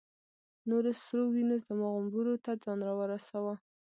نورو سرو وینو زما غومبورو ته ځان را ورساوه.